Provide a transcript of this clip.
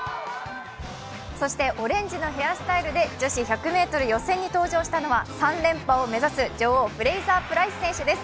そしてオレンジのヘアスタイルで女子１００ｍ予選に登場したのは３連覇を狙うフレイザープライス選手です。